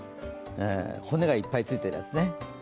骨がいっぱいついてるやつね。